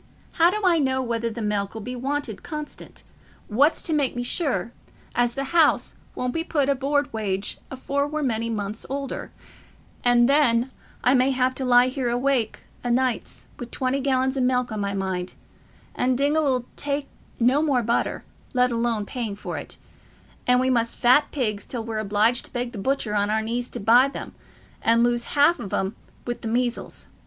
How do I know whether the milk 'ull be wanted constant? What's to make me sure as the house won't be put o' board wage afore we're many months older, and then I may have to lie awake o' nights wi' twenty gallons o' milk on my mind—and Dingall 'ull take no more butter, let alone paying for it; and we must fat pigs till we're obliged to beg the butcher on our knees to buy 'em, and lose half of 'em wi' the measles.